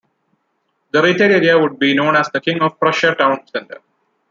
The retail area would be known as the King of Prussia Town Center.